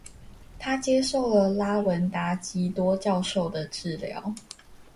他接受了拉文達笈多教授的治療。